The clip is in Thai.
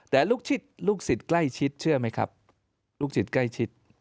แต่ลูกศิษย์ใกล้ชิดเชื่อไหมครับลูกศิษย์ใกล้ชิด